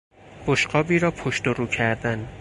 بشقابی را پشت و رو کردن